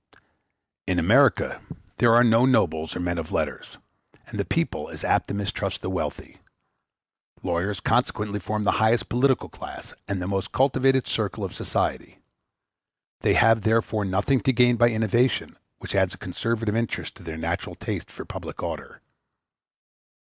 In America there are no nobles or men of letters, and the people is apt to mistrust the wealthy; lawyers consequently form the highest political class, and the most cultivated circle of society. They have therefore nothing to gain by innovation, which adds a conservative interest to their natural taste for public order.